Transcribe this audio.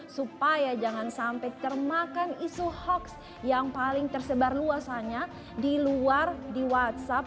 supaya jangan sampai termakan isu hoax yang paling tersebar luasannya di luar di whatsapp